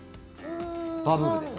バブルです。